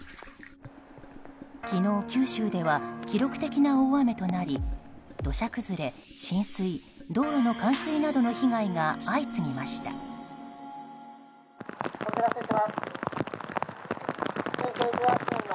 昨日、九州では記録的な大雨となり土砂崩れ、浸水道路の冠水などの被害が相次ぎました。